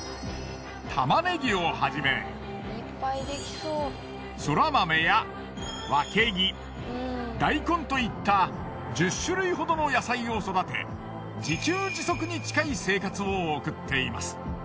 玉ねぎをはじめそら豆やわけぎ大根といった１０種類ほどの野菜を育て自給自足に近い生活を送っています。